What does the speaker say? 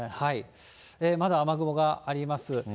まだ雨雲があります。